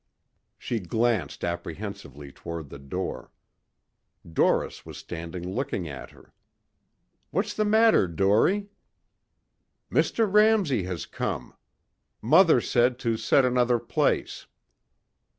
She glanced apprehensively toward the door. Doris was standing looking at her. "What's the matter, Dorie?" "Mr. Ramsey has come. Mother said to set another place."